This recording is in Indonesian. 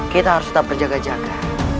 kita harus tetap berjaga jaga